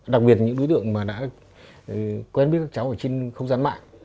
đặc biệt những đối tượng mà đã quen biết các cháu ở trên không gian mạng